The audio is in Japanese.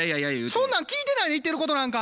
そんなん聞いてないで言ってることなんか。